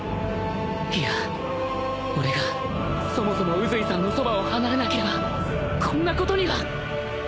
いや俺がそもそも宇髄さんのそばを離れなければこんなことには